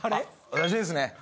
私ですね。